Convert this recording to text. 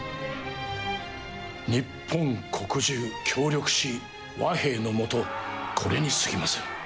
日本国中協力し、和平のもと、これにすぎません。